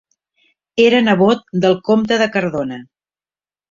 Era nebot del comte de Cardona.